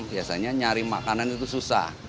biasanya nyari makanan itu susah